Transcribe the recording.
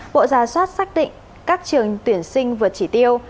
bộ ra soát xác định các trường tuyển sinh vượt chỉ tiêu